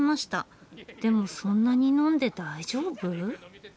でもそんなに呑んで大丈夫？